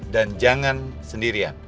dan jangan sendirian